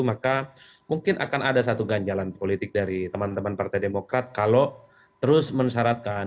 maka mungkin akan ada satu ganjalan politik dari teman teman partai demokrat kalau terus mensyaratkan